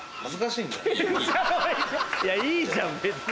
いやいいじゃん別に。